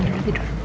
aduh udah tidur